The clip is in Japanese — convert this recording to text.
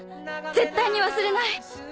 絶対に忘れない。